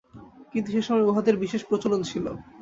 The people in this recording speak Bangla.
কিন্তু সে সময় উহাদের বিশেষ প্রচলন ছিল।